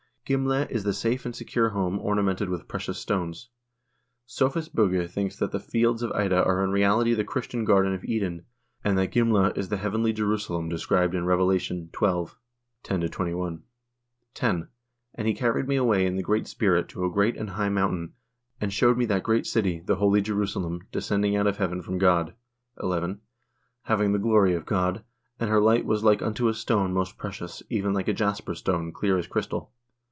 Gimle is the safe and secure home ornamented with precious stones. Sophus Bugge thinks that the Fields of Ida are in reality the Christian Garden of Eden, and that Gimle is the heavenly Jerusalem described in Revela tion, xxi., 10 21. " 10. And he carried me away in the spirit to a great and high mountain, and shewed me that great city, the holy Jerusalem, descend ing out of heaven from God, " 11. Having the glory of God : and her light was like unto a stone most precious, even like a jasper stone, clear as crystal.